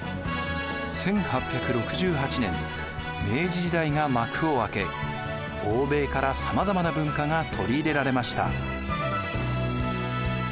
１８６８年明治時代が幕を開け欧米からさまざまな文化が取り入れられました。